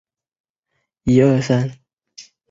惠贞书院官方网站